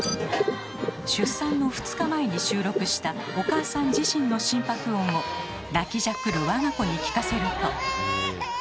出産の２日前に収録したお母さん自身の心拍音を泣きじゃくる我が子に聞かせると。